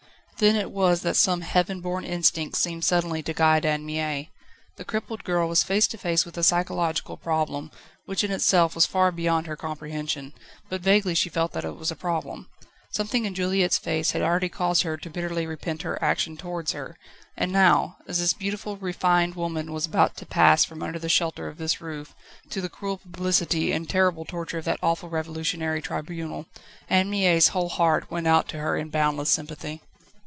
Then it was that some heaven born instinct seemed suddenly to guide Anne Mie. The crippled girl was face to face with a psychological problem, which in itself was far beyond her comprehension, but vaguely she felt that it was a problem. Something in Juliette's face had already caused her to bitterly repent her action towards her, and now, as this beautiful, refined woman was about to pass from under the shelter of this roof, to the cruel publicity and terrible torture of that awful revolutionary tribunal, Anne Mie's whole heart went out to her in boundless sympathy.